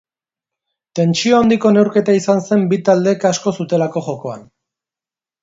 Tentsio handiko neurketa izan zen bi taldeek asko zutelako jokoan.